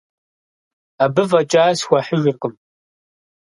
Абы фӏэкӏа схуэхьыжыркъым.